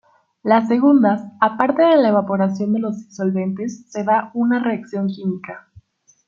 Las segundas, aparte de la evaporación de los disolventes, se da una reacción química.